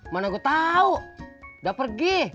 mana gue tahu udah pergi